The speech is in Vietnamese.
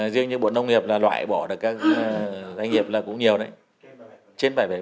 riêng như bộ nông nghiệp loại bỏ các doanh nghiệp là cũng nhiều đấy trên bảy bảy